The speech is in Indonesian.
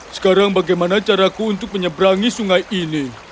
sekarang bagaimana caraku untuk menyeberangi sungai ini